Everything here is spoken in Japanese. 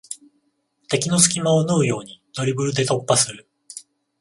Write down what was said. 敵の隙間を縫うようにドリブルで突破する